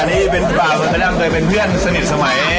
อนนี่เป็นขราวผมนั้นก็เป็นเพื่อนสนิทสมัย